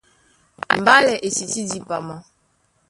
Mbálɛ e tití dipama.